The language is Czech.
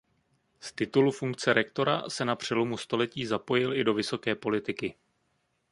Z titulu funkce rektora se na přelomu století zapojil i do vysoké politiky.